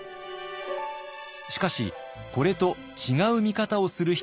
しかしこれと違う見方をする人がいます。